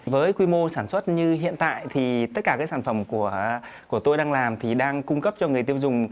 với quy mô sản xuất như hiện tại thì tất cả các sản phẩm của tôi đang làm thì đang cung cấp cho người tiêu dùng